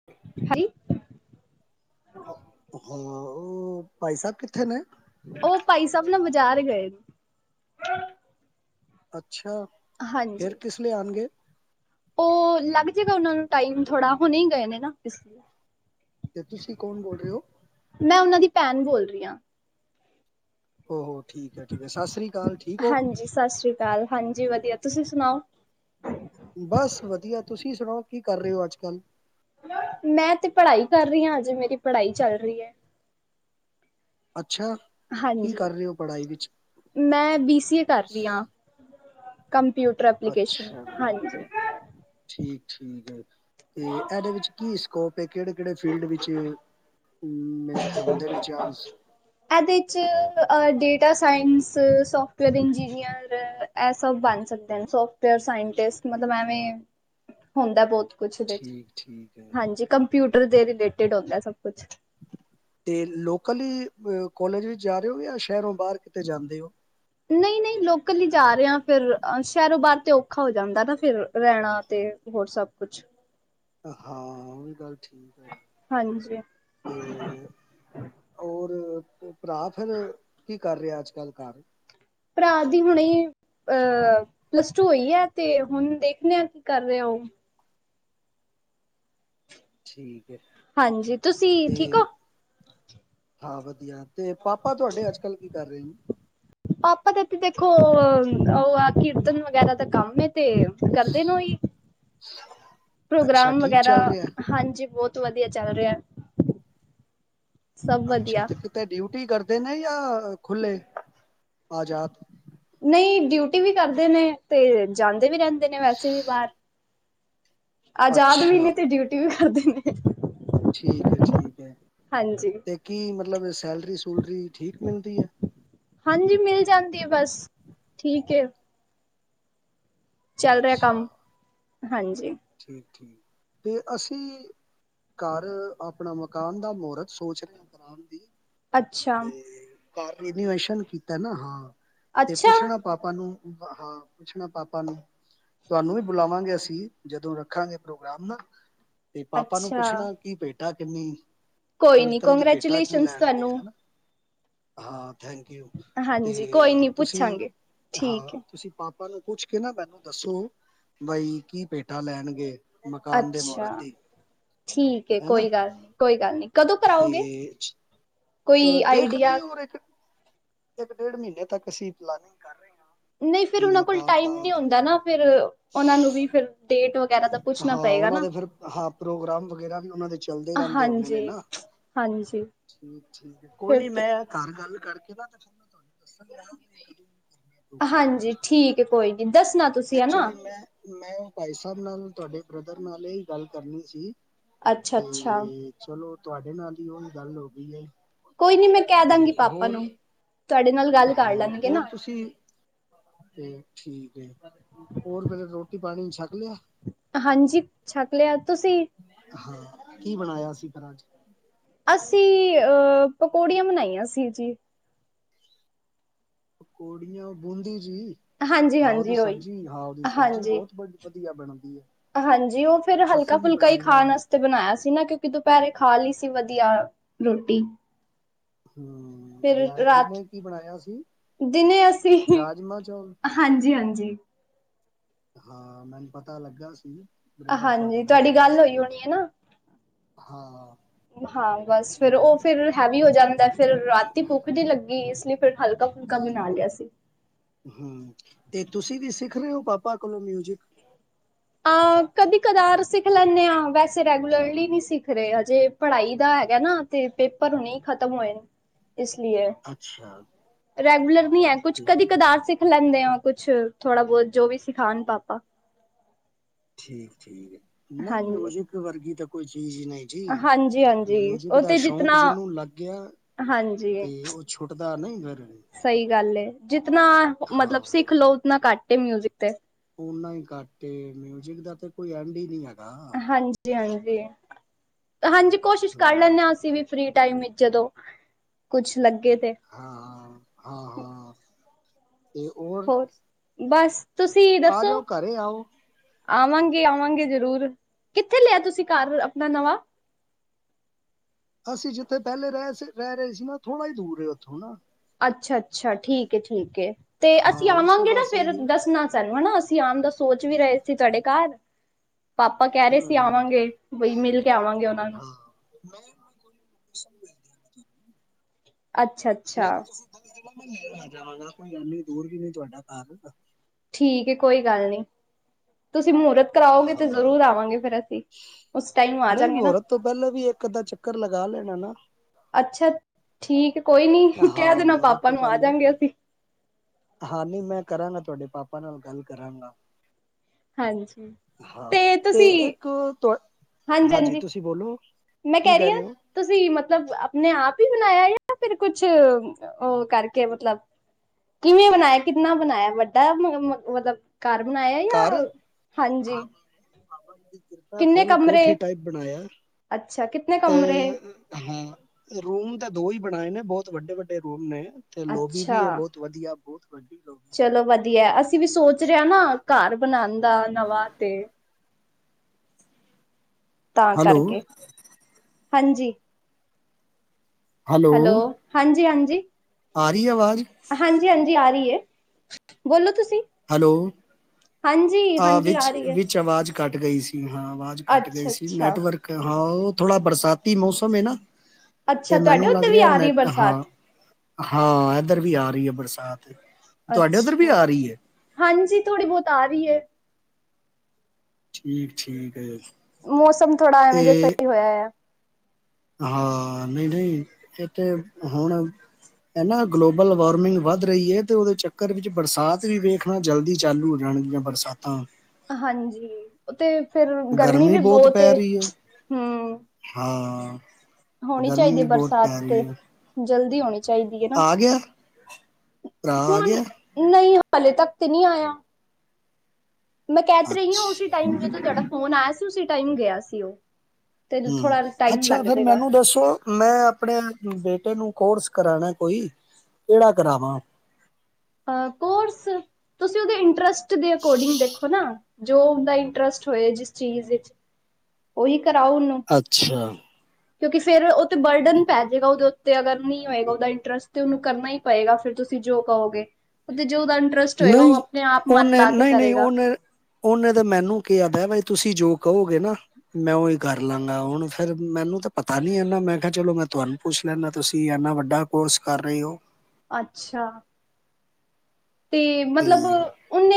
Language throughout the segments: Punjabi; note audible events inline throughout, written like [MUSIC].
[UNINTELLIGIBLE] ਹਾਂ ਉਹ ਭਾਈ ਸਾਹਿਬ ਕਿੱਥੇ ਨੇ ਉਹ ਭਾਈ ਸਾਹਿਬ ਨਾ ਬਾਜ਼ਾਰ ਗਏ ਨੇ ਅੱਛਾ ਫੇਰ ਹਾਂਜੀ ਕਿਸ ਲੇ ਆਨਗੇ ਉਹ ਲੱਗ ਜਾਏਗਾ ਉਹਨਾ ਨੂੰ ਟਾਈਮ ਥੋੜਾ ਹੁਨੇ ਗਏ ਨੇ ਨਾ ਤੇ ਤੁਸੀਂ ਕੌਨ ਬੋਲ ਰਹੇ ਹੋ ਮੈਂ ਉਹਨਾਂ ਦੀ ਭੈਨ ਬੋਲ ਰਹੀ ਹਾਂ ਓਹ ਹੋ ਠੀਕ ਹੈ ਠੀਕ ਹੈ ਸਤਿ ਸ੍ਰੀ ਅਕਾਲ ਠੀਕ ਹੋ ਹਾਂਜੀ ਸਤਿ ਸ੍ਰੀ ਕਾਲ ਹਾਂਜੀ ਵਧੀਆ ਤੁਸੀਂ ਸੁਨਾਓ ਬਸ ਵਧੀਆ ਤੁਸੀਂ ਸੁਨਾਓ ਕੀ ਕਰ ਰਹੇ ਹੋ ਅੱਜ ਕੱਲ੍ਹ ਮੈਂ ਤੇ ਪੜ੍ਹਾਈ ਕਰ ਰਹੀ ਹਾਂ ਅਜੇ ਮੇਰੀ ਪੜ੍ਹਾਈ ਚੱਲ ਰਹੀ ਹੈ ਅੱਛਾ ਕੀ ਹਾਂਜੀ ਕਰ ਰਹੇ ਹੋ ਪੜ੍ਹਾਈ ਵਿੱਚ ਮੈਂ ਬੀ ਸੀ ਏ ਕਰੀ ਹਾਂ ਕੰਪਿਊਟਰ ਐਪਲੀਕੇਸ਼ਨ ਅੱਛਾ ਹਾਂਜੀ ਠੀਕ ਠੀਕ ਐਹਦੇ ਵਿੱਚ ਕੀ ਸਕੋਪ ਏ ਕਿਹੜੇ-ਕਿਹੜੇ ਫੀਲਡ ਵਿੱਚ, ਮੇ ਹੁੰਦੇ ਨੇ ਚਾਂਸ। ਇਹਦੇ 'ਚ ਡੇਟਾ ਸਾਇੰਸ, ਸੋਫਟਵੇਅਰ ਇੰਜਨਅਰ ਇਹ ਸਭ ਬਨ ਸਕਦੇ ਸੋਫਟਵੇਅਰ ਸਾਇਂਟਿਸਟ ਮਤਲਬ ਐਵੇਂ ਹੁੰਦਾ ਬਹੋਤ ਕੁਛ ਓਦੇ ਚ ਠੀਕ ਠੀਕ ਹੈ ਹਾਂਜੀ ਕੰਪਿਊਟਰ ਦੇ ਰਿਲੇਟਿਡ ਹੁੰਦਾ ਸਭ ਕੁਛ ਤੇ ਲੋਕਲ ਈ ਕੋਲੇਜ ਵਿੱਚ ਜਾ ਰਹੇ ਹੋ ਯਾਂ ਸ਼ਹਿਰੋਂ ਬਾਹਰ ਕਿਤੇ ਜਾਂਦੇ ਹੋ ਨਹੀਂ [INAUDIBLE] ਨਹੀਂ ਲੋਕਲ ਹੀ ਜਾ ਰਹੇ ਆ ਫਿਰ ਸ਼ਹਿਰੋ ਬਾਹਰ ਤੇ ਔਖਾ ਹੋ ਜਾਂਦਾ ਨਾ ਫਿਰ ਰਹਿਣਾ ਤੇ ਹੋਰ ਸਭ ਕੁਛ ਹਾਂ ਉਹ ਵੀ ਗੱਲ ਠੀਕ ਏ ਹਾਂਜੀ ਹੋਰ ਭਰਾ ਫਿਰ ਕੀ ਕਰ ਰਿਹਾ ਅੱਜਕੱਲ੍ਹ ਘਰ। ਭਰਾ ਦੀ ਹੁਣੇ ਈ ਅਹ ਪਲੱਸ ਟੂ ਹੋਈ ਹੈ ਤੇ ਹੁਣ ਦੇਖਦੇ ਆ ਕੀ ਕਰ ਰਹੇ ਉਹ। ਠੀਕ ਹੈ। ਹਾਂਜੀ ਤੁਸੀਂ ਤੇ ਠੀਕ ਹੋ? ਹਾਂ ਵਧੀਆ, ਤੇ ਪਾਪਾ ਤੁਹਾਡੇ ਅੱਜ ਕੱਲ੍ਹ ਕੀ ਕਰ ਰਹੇ ਨੇ? ਪਾਪਾ ਤੇ ਤੇ ਦੇਖੋ ਉਹ ਆ ਕੀਰਤਨ ਵਗੈਰਾ ਤਾਂ ਕੰਮ ਐ ਤੇ ਕਰਦੇ ਨੇ ਉਹੀ, ਅੱਛਾ ਪ੍ਰੋਗਰਾਮ ਠੀਕ ਵਗੈਰਾ। ਚੱਲ ਰਿਹਾ ਹਾਂਜੀ ਬਹੁਤ ਵਧੀਆ ਚੱਲ ਰਿਹਾ। ਸਭ ਅੱਛਾ ਵਧੀਆ ਤੇ ਕਿਤੇ ਡਿਊਟੀ ਕਰਦੇ ਨੇ ਜਾਂ ਖੁੱਲੇ, ਆਜ਼ਾਦ? ਨਹੀਂ ਡਿਊਟੀ ਵੀ ਕਰਦੇ ਨੇ, ਤੇ ਜਾਂਦੇ ਵੀ ਰਹਿੰਦੇ ਨੇ ਵੈਸੇ ਵੀ ਬਾਹਰ। ਆਜ਼ਾਦ ਵੀ ਅੱਛਾ ਨੇ ਤੇ ਡਿਊਟੀ ਵੀ ਕਰਦੇ ਨੇ। ਠੀਕ ਹੈ ਠੀਕ ਹੈ, ਹਾਂਜੀ ਤੇ ਕੀ ਮਤਲਬ ਸੈਲਰੀ ਸੁੂਲਰੀ ਠੀਕ ਮਿਲਦੀ ਹੈ? ਹਾਂਜੀ ਮਿਲ ਜਾਂਦੀ ਹੈ ਬਸ, ਠੀਕ ਹੈ। ਚੱਲ ਰਿਹਾ ਅੱਛਾ ਕੰਮ, ਹਾਂਜੀ। ਠੀਕ ਹੈ, ਤੇ ਅਸੀਂ ਘਰ ਆਪਣਾ ਮਕਾਨ ਦਾ ਮਹੂਰਤ ਸੋਚ ਰਿਹਾ ਕਰਾਣ ਦੀ। ਅੱਛਾ ਨੋਵੇਸ਼ਨ ਕੀਤਾ ਨਾ ਹਾਂ, ਤੇ ਅੱਛਾ ਪੁੱਛਣਾ ਪਾਪਾ ਪਾਪਾ ਨੂੰ, ਹਾਂ ਪੁੱਛਣਾ ਪਾਪਾ ਨੂੰ ਤੁਹਾਨੂੰ ਵੀ ਬੁਲਾਵਾਂਗੇ ਅਸੀਂ। ਜਦੋਂ ਰੱਖਾਂਗੇ ਪ੍ਰੋਗਰਾਮ ਨਾ ਤੇ ਪਾਪਾ ਨੂੰ ਅੱਛਾ ਪੁੱਛਣਾ ਕੀ ਭੇਟਾ ਕਿੰਨੀ। ਕੋਈ ਨੀ ਕੀਰਤਨ ਦੀ ਭੇਟਾ ਕੀ ਕੰਗ੍ਰੈਚੂਲੇਸ਼ਨਸ ਲੈਣਗੇ ਤੁਹਾਨੂੰ। ਹਨਾ ਹਾਂ ਥੈਂਕ ਯੂ। ਤੇ ਹਾਂਜੀ ਕੋਈ ਨੀ ਤੁਸੀਂ ਪੁੱਛਾਂਗੇ, ਹਾਂ ਠੀਕ ਹੈ। ਤੁਸੀਂ ਪਾਪਾ ਨੂੰ ਪੁੱਛ ਕੇ ਨਾ ਮੈਨੂੰ ਦੱਸੋ, ਬਾਈ ਕੀ ਭੇਟਾ ਲੈਣਗੇ। ਮਕਾਨ ਦੇ ਅੱਛਾ ਮਹੂਰਤ ਦੀ। ਠੀਕ ਏ ਹੈਨਾ ਕੋਈ ਗੱਲ ਨੀ ਕੋਈ ਗੱਲ ਨੀ ਕਦੋਂ ਤੇ ਕਰਾਓਗੇ? ਕੋਈ ਦੇਖ ਰਹੇ ਆਈਡੀਆ ਆ ਹੋਰ ਇੱਕ ਇੱਕ ਡੇਢ ਮਹੀਨੇ ਤੱਕ ਅਸੀਂ ਪਲਾਨਿੰਗ ਕਰ ਰਹੇ। ਹਾਂ ਨਹੀਂ ਫੇਰ ਕਿ ਉਹਨਾਂ ਕੋਲ ਮਕਾਨ ਦਾ ਟਾਈਮ ਨੀ ਹੁੰਦਾ ਨਾ ਫੇਰ ਉਹਨਾ ਨੂੰ ਵੀ ਫਿਰ ਡੇਟ ਵਗੈਰਾ ਦਾ ਪੁੱਛਣਾ ਹਾਂ ਪਏਗਾ ਉਹਨਾਂ ਨਾ ਦੇ ਫਿਰ ਹਾਂ ਪ੍ਰੋਗਰਾਮ ਵਗੈਰਾ ਵੀ ਉਹਨਾਂ ਦੇ ਚਲਦੇ ਰਹਿੰਦੇ ਹੋਣੇ ਨੇ ਹਾਂਜੀ ਨਾ। ਹਾਂਜੀ ਠੀਕ ਠੀਕ ਕੋਈ ਫਿਰ ਨੀ ਤ- ਮੈਂ ਘਰ ਗੱਲ ਕਰਕੇ ਨਾ, ਤੇ ਫਿਰ ਮੈਂ ਤੁਹਾਨੂੰ ਦੱਸਣ। ਹਾਂਜੀ ਠੀਕ ਹੈ ਕੋਈ ਨੀ ਦੱਸਣਾ। ਤੁਸੀਂ ਹੈ ਨਾ ਐਕਚੁਲੀ ਮੈਂ ਮੈਂ ਬਾਈ ਸਾਹਿਬ ਨਾਲ ਤੁਹਾਡੇ ਬ੍ਰਦਰ ਨਾਲ ਹੀ ਗੱਲ ਕਰਨੀ ਸੀ। ਅੱਛਾ ਅੱਛਾ ਹੂੰ ਚਲੋ ਤੁਹਾਡੇ ਨਾਲ ਹੀ ਹੁਣ ਗੱਲ ਹੋ ਗਈ ਹੈ। ਕੋਈ ਨੀ ਮੈਂ ਕਹਿ ਤੇ ਦਾਂਗੀ ਪਾਪਾ ਹੋਰ ਨੂੰ, ਤੁਹਾਡੇ ਨਾਲ ਗੱਲ ਕਰ ਲੈਣਗੇ ਨਾ। ਤੁਸੀਂ ਹੂੰ ਠੀਕ ਹੈ, ਹੋਰ ਫੇਰ ਰੋਟੀ ਪਾਣੀ ਛਕ ਲਿਆ? ਹਾਂਜੀ। ਛਕ ਲਿਆ। ਤੁਸੀਂ? ਹਾਂ। ਕੀ ਬਣਾਇਆ ਸੀ ਪਰ ਅਜ? ਅਸੀਂ, ਅਹ ਪਕੌੜੀਆਂ, ਬਨਾਈਆਂ ਸੀ, ਜੀ। ਪਕੌੜੀਆਂ ਬੂੰਦੀ ਜੀ। ਹਾਂਜੀ ਹਹ ਉਹਦੀ ਹਾਂਜੀ ਉਹੀ ਸਬਜ਼ੀ, ਹਹ ਉਹਦੀ ਸਬਜ਼ੀ ਹਾਂਜੀ ਬਹੁਤ ਵ- ਵਧੀਆ ਬਣਦੀ ਹੈ। ਹਾਂਜੀ ਉਹ ਫੇਰ ਅਸੀਂ ਵੀ ਹਲਕਾ-ਫੁਲਕਾ ਹੀ ਬਣਾਉਂਦੇ ਖਾਣ ਹਾਂ ਵਾਸ ਤੇ ਬਣਾਇਆ ਸੀ ਨਾ ਕਿਉਂਕਿ ਦੁਪਹਿਰੇ ਖਾ ਲਈ ਸੀ ਵਧੀਆ ਰੋਟੀ। ਫਿਰ ਹੂੰ ਰਾਤ ਦਿਨੇ ਕੀ ਬਣਾਇਆ ਸੀ ਰਾਜਮਾਂ ਚੌਲ? ਹਾਂਜੀ-ਹਾਂਜੀ ਹਾਂ ਮੈਨੂੰ ਪਤਾ ਲੱਗਾ ਸੀ। ਬ੍ਰਦਰ ਤੁਹਾਡਾ ਹਾਂਜੀ ਦੱਸ ਤੁਹਾਡੀ ਰਿਹਾ ਗੱਲ ਸੀ ਹੋਈ ਹੋਣੀ ਹੈ ਨਾ। ਹਾਂ ਹਾਂ ਬਸ ਫੇਰ ਉਹ ਠੀਕ ਹੈ ਫਿਰ ਹੈਵੀ ਹੋ ਜਾਂਦਾ ਫਿਰ ਰਾਤੀ ਭੁੱਖ ਦੀ ਲੱਗੀ ਇਸ ਲਈ ਫਿਰ ਹਲਕਾ-ਫੁਲਕਾ ਬਣਾ ਲਿਆ ਸੀ। ਹੂੰ। ਤੇ ਤੁਸੀਂ ਵੀ ਸਿੱਖ ਰਹੇ ਹੋ? ਪਾਪਾ ਕੋਲੋਂ ਮਿਊਜਿਕ। ਅ ਕਦੀ ਕਦਾਰ, ਸਿੱਖ ਲੈਂਦੇ ਹਾਂ। ਵੈਸੇ ਰੈਗੂਲਰਲੀ ਨੀ, ਸਿੱਖ ਰਹੇ ਹਜੇ। ਪੜਾਈ ਦਾ ਹੈਗਾ ਨਾ। ਤੇ ਪੇਪਰ ਹੁਣੇ ਖਤਮ ਹੋਏ ਨੇ। ਇਸ ਲਈ। ਅੱਛਾ ਰੈਗੂਲਰ ਨਹੀਂ ਹੈ, ਕੁਛ। ਕਦੀ ਠੀਕ ਹੈ ਕਦਾਰ, ਸ- ਲੈਂਦੇ ਆ। ਕੁਛ ਥੋੜਾ ਬਹੁਤ, ਜੋ ਵੀ ਸਿਖਾਉਣ ਪਾਪਾ। ਠੀਕ- ਠੀਕ। ਨਹੀਂ ਹਾਂਜੀ ਮਿਊਜਿਕ ਵਰਗੀ, ਤਾਂ ਕੋਈ ਚੀਜ਼ ਹੀ, ਨਹੀਂ। ਜੀ ਹਾਂਜੀ- ਹਾਂਜੀ। ਮਿਊਜ਼ਿਕ ਉਹ ਦਾ ਤੇ, ਸ਼ੌਂਕ ਜਿਤਨਾ। ਜਿਹਨੂੰ ਹਾਂਜੀ। ਛੁਟਦਾ ਨਹੀਂ, ਫੇਰ। ਸਹੀ ਗੱਲ ਏ। ਜਿਤਨਾ ਮਤਲਬ ਹਾਂ ਸਿੱਖ ਲੋਓ, ਉਤਨਾ ਘੱਟ ਹੈ, ਮਿਊਜਿਕ। ਔਨਾ ਹੀ ਕੱਟ ਹੈ। ਮਿਊਜਿਕ ਦਾ ਤਾਂ, ਕੋਈ ਐਂਡ ਹੀ ਨੀ ਹੈਗਾ। ਹਾਂਜੀ- ਹਾਂਜੀ। ਹਾਂਜੀ, ਕੋਸ਼ਿਸ਼ ਕਰ ਲੈਂਦੇ ਹੂੰ ਹਾਂ। ਅਸੀਂ ਵੀ। ਫ੍ਰਰੀ ਟਾਈਮ ਵਿੱਚ, ਜਦੋਂ ਕੁਛ ਲੱਗੇ ਤੇ। ਹਾਂ- ਹਾਂ, ਹਾਂ। ਤੇ ਹੋਰ? ਬਸ ਤੁਸੀਂ ਦੱਸੋ? ਆਵਾਂਗੇ- ਆਵਾਂਗੇ, ਜ਼ਰੂਰ। ਕਿੱਥੇ ਲਿਆ ਤੁਸੀਂ ਘਰ ਆਪਣਾ ਨਵਾਂ? ਅਸੀਂ ਜਿੱਥੇ ਪਹਿਲੇ, ਰਹਿ, ਰਹਿ ਰਹੇ ਸੀ, ਨਾ। ਥੋੜਾ ਹੀ ਦੂਰ ਹੈ। ਉੱਥੋਂ ਨਾ। ਅੱਛਾ- ਅੱਛਾ, ਠੀਕ ਏ, ਠੀਕ ਏ। ਹਾਂ ਅਸੀਂ ਉਸੇ ਆਵਾਂਗੇ ਨਾ ਪਾਸੇ ਫੇਰ ਹੀ ਹੈ ਦੱਸਣਾ ਸਾਨੂੰ, ਹਨਾ। ਅਸੀ ਆਨ ਦਾ, ਸੋਚ ਵੀ ਰਹੇ ਤੁਹਾਡੇ ਘਰ। ਪਾਪਾ ਕਹਿ ਰਹੇ ਹੂੰ ਸੀ। ਹੂੰ ਆਵਾਂਗੇ, ਬਈ ਮਿਲ ਕੇ ਆਵਾਂਗੇ ਉਹਨਾਂ ਨੂੰ। ਹਾਂ ਮੈਂ [UNINTELLIGIBLE] ਅੱਛਾ। ਨਹੀਂ ਜਾਵਾਂਗਾ, ਕੋਈ ਗੱਲ ਨੀ, ਦੂਰ ਵੀ ਨਹੀਂ ਤੁਹਾਡਾ ਘਰ। ਠੀਕ ਕੋਈ ਗੱਲ ਨਹੀਂ। ਤੁਸੀਂ ਮਹੂਰਤ ਕਰਾਓਗੇ ਤੇ, ਜ਼ਰੂਰ ਹਾਂ ਆਵਾਂਗੇ ਫੇਰ ਅਸੀਂ। ਉਸ ਟਾਈਮ। ਆ ਨਹੀਂ ਜਾਂਗੇ ਨਾ ਮਹਰਤ ਤੋਂ, ਪਹਿਲਾਂ ਵੀ ਇੱਕ- ਅੱਧਾ, ਚੱਕਰ ਲਗਾ ਲੈਣਾ ਨਾ। ਅੱਛਾ, ਠੀਕ ਕੋਈ ਨੀ। ਕਹਿ ਹਾਂ ਦੇਣਾ ਮਹੂਰਤ ਪਾਪਾ ਤੋਂ ਨੂੰ, ਆ ਪਹਿਲੇ ਜਾਂਗੇ ਅਸੀਂ। ਹਾਂ, ਨਹੀਂ ਮੈਂ ਕਰਾਂਗਾ, ਤੁਹਾਡੇ ਪਾਪਾ ਨਾਲ, ਗੱਲ ਕਰਾਂਗਾ। ਹਾਂਜੀ। ਹਾਂ ਤੇ, ਇੱਕ ਤੁ, ਹਾਂਜੀ। ਹਾਂਜੀ-ਹਾਂਜੀ ਤੁਸੀਂ ਬੋਲੋ, ਮੈਂ ਕੀ ਕਹਿ ਰਹੀ ਰਹੇ ਹਾਂ ਹੋ। ਤੁਸੀਂ ਮਤਲਬ, ਆਪਣੇ ਆਪ ਹੀ ਬਣਾਇਆ ਜਾਂ। ਫੇਰ ਕੁਛ, ਉਹ ਕਰਕੇ ਮਤਲਬ। ਕਿਵੇਂ ਬਣਾਇਆ, ਕਿੰਨਾ ਬਣਾਇਆ ਵੱਡਾ, ਮਤਲਬ ਘਰ ਬਣਾਇਆ। ਜਾਂ ਘਰ! ਹਾ ਹਾਂਜੀ ਕਿੰਨੇ ਪੁਰਾ, ਕਮਰੇ ਕੋਠੀ ਟਾਈਪ ਬਣਾਇਆ। ਅੱਛਾ ਕਿਤਨੇ ਤੇ, ਕਮਰੇ ਅ ਹਾਂ। ਰੂਮ ਤਾਂ ਦੋ ਹੀ, ਬਣਾਏ ਨੇ। ਬਹੁਤ ਵੱਡੇ- ਵੱਡੇ, ਰੂਮ ਨੇ। ਤੇ ਲੋਬੀ ਅੱਛਾ ਵੀ ਹੈ, ਬਹੁਤ ਵਧੀਆ, ਬਹੁਤ ਵੱਡੀ ਹੋ। ਚਲੋ ਵਧੀਆ। ਅਸੀਂ ਵੀ ਸੋਚ ਰਹੇ ਹਾਂ ਨਾ। ਘਰ ਬਣਾਉਣ ਦਾ, ਨਵਾਂ ਤੇ। ਤਾਂ ਹੈਲੋ ਕਰਕੇ ਹਾਂਜੀ। ਹੈਲੋ ਹਾਂਜੀ, ਹਾਂਜੀ। ਆ ਰਹੀ ਆਵਾਜ਼ ਹਾਂਜੀ, ਹਾਂਜੀ ਆ ਰਹੀ ਹੈ ਬੋਲੋ ਤੁਸੀਂ ਹੈਲੋ। ਹਾਂਜੀ ਆਹ ਹਾਂਜੀ ਆ ਵਿੱਚ, ਰਹੀ ਹੈ ਵਿੱਚ ਆਵਾਜ਼ ਕੱਟ ਗਈ ਸੀ। ਹਾਂ ਆਵਾਜ਼ ਕੱਟ ਗਈ ਅੱਛਾ ਸੀ। ਅੱਛਾ ਨੈਟਵਰਕ ਹਾਂ ਉਹ, ਥੋੜਾ ਬਰਸਾਤੀ, ਮੌਸਮ ਹੈ ਨਾ। ਤੇ ਅੱਛਾ ਤੁਹਾਡੇ ਮੈਨੂੰ ਲੱਗ ਉੱਤੇ ਵੀ ਰਿਹਾ। ਆ ਰਹੀ ਹੈ ਨੈਟ ਹਾਂ, ਬਰਸਾਤ ਹਾਂ ਇਧਰ ਵੀ ਆ ਰਹੀ ਹੈ, ਬਰਸਾਤ। ਤੁਹਾਡੇ ਉੱਧਰ ਵੀ ਅੱਛਾ। ਆ ਰਹੀ ਹੈ ਹਾਂਜੀ, ਥੋੜੀ ਬਹੁਤ ਆ ਰਹੀ ਹੈ। ਠੀਕ- ਠੀਕ, ਆ। ਮੌਸਮ ਥੋੜਾ, ਐਵੇਂ ਜਿਹਾ, ਸਹੀ ਹੋਇਆ ਆ। ਹਾਂ। ਨਹੀਂ- ਨਹੀਂ, ਇਹ ਤੇ ਹੁਣ। ਇਹ ਨਾ ਗਲੋਬਲ ਵਾਰਮਿੰਗ, ਵੱਧ ਰਹੀ ਹੈ। ਤੇ ਉਹਦੇ ਚੱਕਰ ਵਿੱਚ, ਬਰਸਾਤ ਵੀ ਵੇਖ ਹਾ ਜਲਦੀ, ਚਾਲੂ ਹੋ ਜਾਣ ਗਿਆਂ ਬਰਸਾਤਾਂ। ਹਾਂਜੀ ਉਹ ਤੇ ਫੇਿਰ ਗਰਮੀ ਵੀ ਬਹੁਤ ਪੈ ਏ ਰਹੀ ਹੈ ਹੁ ਹਾਂ। ਹੋਣੀ ਗਰਮੀ ਚਾਹੀਦੀ ਹੈ ਵੀ ਬਹੁਤ ਬਰਸਾਤ ਪੈ ਤੇ ਰਹੀ ਹੈ ਜਲਦੀ ਹੋਣੀ ਚਾਹੀਦੀ ਹੈ ਨਾ ਆ ਗਿਆ ਭਰਾ ਆ ਕੌਣ ਗਿਆ ਨਹੀਂ ਹਾਲੇ ਤੱਕ ਤੇ ਨਹੀਂ ਆਇਆ। ਮੈਂ ਕਹਿ ਤੇ ਰਹੀ ਆ ਉਸ ਅੱਛਾ ਟਾਈਮ ਜਦੋਂ ਤੁਹਾਡਾ ਫੋਨ ਆਇਆ ਸੀ ਉਸ ਟਾਈਮ ਗਿਆ ਸੀ ਉਹ ਤੇ ਹਮ ਥੋੜਾ ਟਾਈਮ ਅੱਛਾ ਲੱਗ ਫੇਿਰ ਜਾਏਗਾ ਮੈਨੂੰ ਦੱਸੋ? ਮੈਂ ਆਪਣੇ ਬੇਟੇ ਨੂੰ ਕੋਰਸ ਕਰਾਉਣਾ ਕੋਈ ਕਿਹੜਾ ਕਰਾਵਾਂ ਅ ਕੋਰਸ ਤੁਸੀਂ ਉਹਦੇ ਇੰਟਰਸਟ ਦੇ ਅਕੋਰਡਿੰਗ ਦੇਖੋ ਨਾ ਜੋ ਉਹਦਾ ਇੰਟਰਸਟ ਹੋਏ ਜਿਸ ਚੀਜ਼ ਵਿੱਚ ਉਓਹੀ ਕਰਾਓ ਉਹਨੂੰ ਅੱਛਾ। ਕਿਉਂਕਿ ਫੇਿਰ ਉਹ ਤੇ ਬਰਡਨ ਹੀ ਪੈ ਜਾਵੇਗਾ ਉਹਦੇ ਉੱਤੇ ਅਗਰ ਨਹੀਂ ਹੋਏਗਾ। ਉਹਦਾ ਇੰਟਰਸਟ ਤੇ ਉਹਨੂੰ ਕਰਨਾ ਹੀ ਪਏਗਾ ਫਿਰ ਤੁਸੀਂ ਜੋ ਕਹੋਗੇ ਤੇ ਜੋ ੳਹਦਾ ਇੰਟਰਸਟ ਹੋਏਗਾ ਉਹ ਨਹੀਂ ਆਪਣੇ ਆਪ ਮਨ ਉਹਨੇ ਲਾ ਕੇ ਨਹੀਂ, ਨਹੀਂ ਕਰੇਗਾ ਉਹਨੇ ਉਹਨੇ ਤਾਂ ਮੈਨੂੰ ਕੀ ਆਖਿਆ ਬਾਈ ਜੋ ਤੁਸੀਂ ਜੋ ਕਹੋਗੇ ਨਾ ਮੈਂ ਉਹੀ ਕਰ ਲਾਂਗਾ ਹੁਣ ਫੇਿਰ ਮੈਨੂੰ ਤਾਂ ਪਤਾ ਨੀ ਹੈਨਾ ਮੈਂ ਕਿਹਾ ਚਲੋ ਮੈਂ ਤੁਹਾਨੂੰ ਪੁੱਛ ਲੈਂਦਾ ਤੁਸੀਂ ਇਨਾ ਵੱਡਾ ਕੋਰਸ ਕਰ ਰਹੇ ਹੋ ਅੱਛਾ। ਤੇ ਮਤਲਬ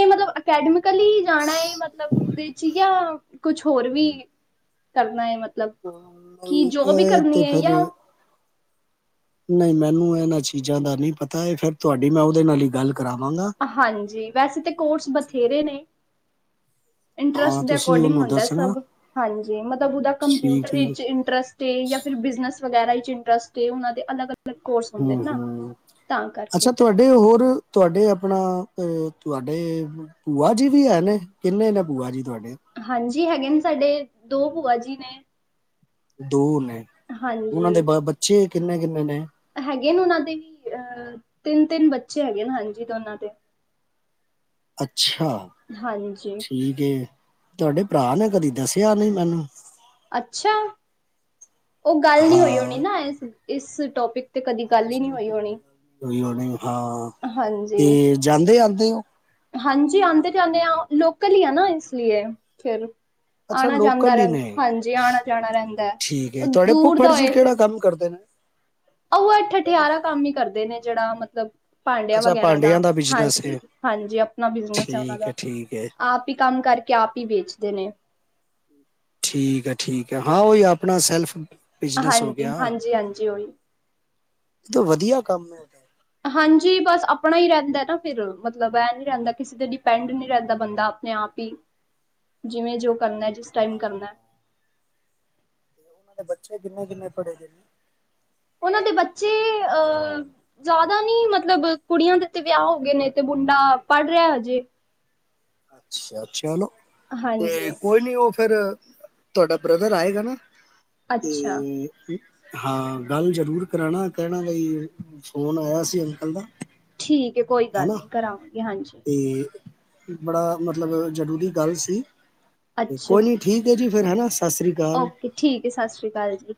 ਮਤਲਬ ਅਕੈਡਮਿਕਲੀ ਜਾਣਾ ਹੈ ਮਤਲਬ ਉਹਦੇ ਚ ਜਾਂ ਕੁਛ ਹੋਰ ਵੀ ਕਰਨਾ ਹੈ ਮਤਲਬ ਕਿ ਨਹੀਂ ਜੋਬ ਵੀ ਇਹ ਕਰਨੀ ਤੇ ਹੈ ਫਿਰ ਜਾਂ ਨਹੀਂ ਮੈਨੂੰ ਇਹਨਾਂ ਚੀਜ਼ਾਂ ਦਾ ਨਹੀਂ ਪਤਾ ਇਹ ਫੇਿਰ ਤੁਹਾਡੀ ਮੈਂ ਉਹਦੇ ਨਾਲ ਹੀ ਗੱਲ ਕਰਾਵਾਂਗਾ। ਹਾਂਜੀ ਵੈਸੇ ਤਾਂ ਕੋਰਸ ਬਥੇਰੇ ਨੇ ਇੰਟਰਸਟ ਹਾਂ ਦੇ ਤੁਸੀਂ ਅਕੋਰਡਿੰਗ ਉਹਨੂੰ ਹੁੰਦਾ ਦੱਸਣਾ ਸਭ ਹਾਂਜੀ ਮਤਲਬ ਉਹਦਾ ਠੀਕ ਕੰਪਿਊਟਰ ਠੀਕ ਵਿੱਚ ਇੰਟਰਸਟ ਸੀ ਜਾਂ ਫਿਰ ਬਿਜਨਸ ਵਗੈਰਾ ਇੰਟਰਸਟ ਉਹਨਾਂ ਦੇ ਅਲੱਗ, ਅਲੱਗ ਕੋਰਸ ਹੁੰਦੇ ਨੇ ਨਾ ਤਾਂ ਕਰਕੇ ਤੇ ਹੋਰ ਤੁਹਾਡੇ ਆਪਣਾ ਤੇ ਤੁਹਾਡੇ ਭੂਆ ਜੀ ਵੀ ਹੈ ਨੇ ਕਿੰਨੇ ਨੇ ਭੂਆ ਜੀ ਤੁਹਾਡੇ ਹਾਂਜੀ ਹੈਗੇ ਨੇ ਸਾਡੇ ਦੋ ਭੂਆ ਜੀ ਨੇ ਦੋ ਨੇ ਉਹਨਾਂ ਹਾਂਜੀ ਦੇ ਬ ਬੱਚੇ ਕਿੰਨੇ ਕਿੰਨੇ ਨੇ ਹੈਗੇ ਨੇ ਉਹਨਾਂ ਦੇ ਵੀ ਅਹ ਤਿੰਨ ਤਿੰਨ ਬੱਚੇ ਹੈਗੇ ਨੇ ਹਾਂਜੀ ਦੋਨਾਂ ਦੇ ਅੱਛਾ ਹਾਂਜੀ ਠੀਕ ਤੁਹਾਡੇ ਭਰਾ ਨੇ ਕਦੀ ਦੱਸਿਆ ਨੀ ਮੈਨੂੰ ਅੱਛਾ ਉਹ ਗੱਲ ਨਹੀਂ ਹੋਈ ਹੋਣੀ ਹਾਂ ਨਾ ਇਸ ਇਸ ਟੋਪਿਕ ਤੇ ਕਦੀ ਗੱਲ ਹੀ ਨਹੀਂ ਹੋ ਹੋਈ ਹੋਣੀ ਉਹਨੇ ਹਾਂ ਹਾਂਜੀ ਤੇ ਜਾਂਦੇ ਆਉਦੇ ਹਾਂਜੀ ਆਉਂਦੇ ਜਾਂਦੇ ਹਾਂ ਲੋਕਲ ਹੀ ਆ ਨਾ ਇਸ ਲਈ ਫਿਰ ਅੱਛਾ ਆਣਾ ਜਾਂਦਾ ਲੋਕਲ ਹੀ ਨੇ ਰਹਿੰਦਾ ਹਾਂਜੀ, ਆਣਾ ਜਾਣਾ ਰਹਿੰਦਾ ਹੈ ਠੀਕ ਹੈ ਉਹ ਤੁਹਾਡੇ ਦੂਰ ਫੁੱਫੜ ਦਾ ਜੀ ਹੋਏ ਕਿਹੜਾ ਫਿਰ ਕੰਮ ਕਰਦੇ ਨੇ, ਆਥ ਦੋਨੋਂ ਅਠਿਆਰਾਂ ਫੁੱਫੜ ਕੰਮ ਜੀ ਹੀ ਕਰਦੇ ਨੇ ਜਿਹੜਾ ਮਤਲਬ, ਭਾਂਡਿਆਂ ਅੱਛਾ ਵਗੈਰਾ ਦਾ ਭਾਂਡਿਆਂ ਬਿਜ਼ਨਸ ਹਾਂਜੀ, ਹੈ ਹਾਂਜੀ ਆਪਣਾ ਬਿਜਨਸ ਹੈ ਉਹਨਾਂ ਠੀਕ ਦਾ ਠੀਕ ਹੈ ਆਪ ਹੀ ਕੰਮ ਕਰਕੇ। ਕ ਹੀ ਵੇਚਦੇ ਨੇ ਠੀਕ ਹੈ ਠੀਕ ਹੈ ਹਾਂ ਉਹੀ ਆਪਣਾ ਸੈਲਫ ਬਿਜ਼ਨਸ ਹੋ ਹਾਂਜੀ, ਗਿਆ ਇਹ ਹਾਂਜੀ ਹਾਂਜੀ ਉਹੀ ਵਧੀਆ ਕੰਮ ਉਹਨਾਂ ਹਾਂਜੀ ਬਸ ਆਪਣਾ ਹੀ ਰਹਿੰਦਾ ਨਾ ਫਿਰ ਮਤਲਬ ਇਹ ਨੀ ਰਹਿੰਦਾ ਕਿਸੇ ਤੇ ਡਿਪੈਂਡ ਨਹੀਂ ਰਹਿੰਦਾ ਬੰਦਾ ਆਪਣੇ ਆਪ ਜਿਵੇਂ ਜੋ ਕਰਨਾ ਜਿਸ ਟਾਈਮ ਕਰਨਾ ਏ ਬੱਚੇ ਕਿੰਨੇ ਕਿੰਨੇ ਪੜ੍ਹੇ ਜੇ ਉਹਨਾਂ ਦੇ ਬੱਚੇ ਅਹ ਜ਼ਿਆਦਾ ਨੀ ਮਤਲਬ ਕੁੜੀਆਂ ਦੇ ਤੇ ਵਿਆਹ ਹੋ ਗਏ ਨੇ ਤੇ ਮੁੰਡਾ ਪੜ ਰਿਹਾ ਹਜੇ ਅੱਛਾ ਅੱਛਾ ਹਨ ਨਾ ਤੇ ਹਾਂਜੀ ਕੋਈ ਨਹੀਂ ਉਹ ਫੇਰ ਤੁਹਾਡਾ ਬ੍ਰਦਰ ਆਏਗਾ ਨਾ ਅੱਛਾ ਤੇ, ਹਾਂ ਗੱਲ ਜ਼ਰੂਰ ਕਰਾਉਣਾ, ਕਹਿਣਾ ਬਈ ਫੋਨ ਆਇਆ ਸੀ ਅੰਕਲ ਦਾ ਠੀਕ ਹੈ, ਕੋਈ ਗੱਲ ਨੀ ਕਰਾਾਂਗੇ ਹਾਂਜੀ। ਕੀ, ਬੜਾ ਮਤਲਬ ਜਰੂਰੀ ਗੱਲ ਸੀ, ਤੇ ਅੱਛਾ ਕੋਈ ਨੀ ਠੀਕ ਹੈ ਜੀ ਫੇਰ ਹਨਾ ਸਤਿ ਸ੍ਰੀ ਅਕਾਲ, ਓਕੇ ਠੀਕ ਹੈ, ਸਤਿ ਸ਼੍ਰੀ ਅਕਾਲ ਜੀ।